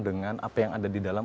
dengan apa yang ada di dalam